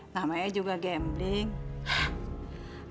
namanya juga gamble nya